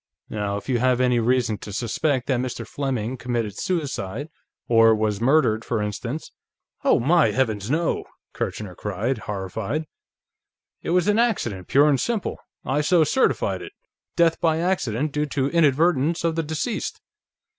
"Now, if you have any reason to suspect that Mr. Fleming committed suicide ... or was murdered, for instance ..." "Oh, my heavens, no!" Kirchner cried, horrified. "It was an accident, pure and simple; I so certified it. Death by accident, due to inadvertence of the deceased."